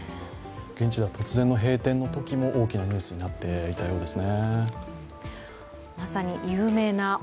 現地では突然の閉店のときも大きなニュースになっていたようですね。